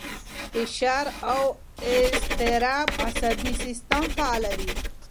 فشار او اضطراب عصبي سیستم فعالوي.